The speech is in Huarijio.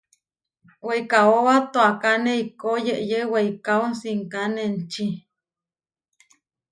Weikáoba toakáne eikó yeʼyé weikáo sinkáne enči.